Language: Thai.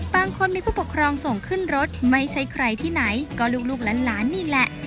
บางคนมีผู้ปกครองส่งขึ้นรถไม่ใช่ใครที่ไหนก็ลูกหลานนี่แหละ